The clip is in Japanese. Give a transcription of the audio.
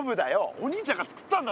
お兄ちゃんが作ったんだぞ。